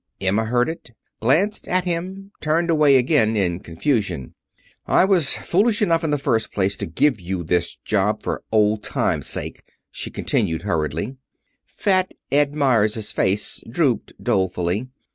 Emma heard it, glanced at him, turned away again in confusion. "I was foolish enough in the first place to give you this job for old times' sake," she continued hurriedly. Fat Ed Meyers' face drooped dolefully.